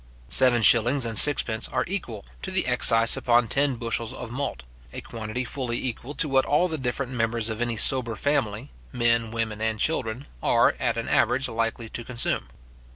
Seven shillings and sixpence are equal to the excise upon ten bushels of malt; a quantity fully equal to what all the different members of any sober family, men, women, and children, are, at an average, likely to consume.